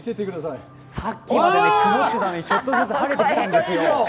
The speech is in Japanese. さっきまで曇ってたのにちょっとずつ晴れてきたんですよ。